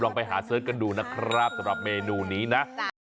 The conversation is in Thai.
ไปหาเสิร์ชกันดูนะครับสำหรับเมนูนี้นะ